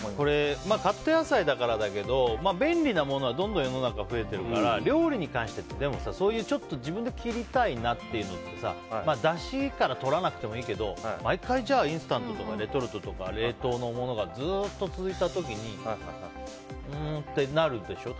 カット野菜だからだけど便利なものはどんどん世の中に増えているから料理に関して、そういう自分で切りたいなっていうのってだしからとらなくてもいいけど毎回、インスタントとかレトルトとか冷凍のものがずっと続いた時にんーってなるでしょ？